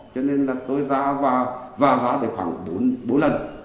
cho nên là tôi ra vào vào ra thì khoảng bốn lần